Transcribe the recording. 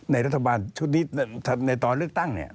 รัฐบาลชุดนี้ในตอนเลือกตั้งเนี่ย